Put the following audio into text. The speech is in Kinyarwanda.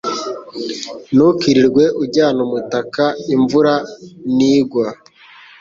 Ntukirirwe ujyana umutaka imvura ntigwa.